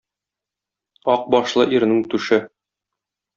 Ак башлы ирнең түше